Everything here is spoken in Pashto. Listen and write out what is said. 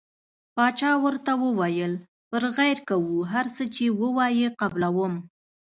باچا ورته وویل پر غیر کوو هر څه چې وایې قبلووم.